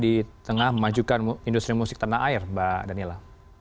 di tengah memajukan industri musik tanah air mbak danila